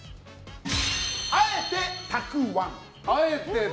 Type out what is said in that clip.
あえてたくわん。